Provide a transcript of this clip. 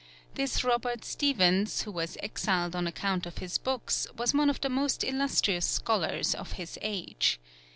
This Robert Stephens, who was exiled on account of his books, was one of the most illustrious scholars of his age.